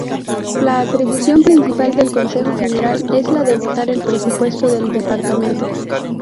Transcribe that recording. La atribución principal del Consejo General es la de votar el presupuesto del departamento.